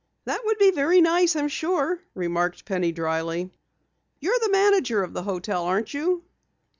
"That would be very nice, I'm sure," remarked Penny dryly. "You're the manager of the hotel, aren't you?"